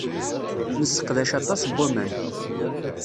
Nesseqdac aṭas n waman.